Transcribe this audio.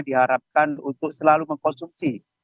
diharapkan untuk selalu mengkonsumsi